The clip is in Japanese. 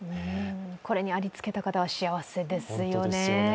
これにありつけた方は幸せですよね。